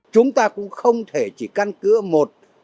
chúng ta cũng không thể chỉ căn cứa một